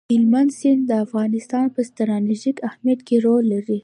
هلمند سیند د افغانستان په ستراتیژیک اهمیت کې رول لري.